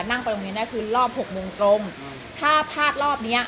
แล้วก็พูดต้วาธีด้วย